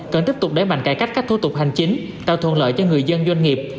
cần tiếp tục đẩy mạnh cải cách các thủ tục hành chính tạo thuận lợi cho người dân doanh nghiệp